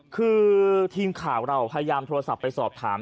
คือทีมข่าวเราพยายามโทรศัพท์ไปสอบถาม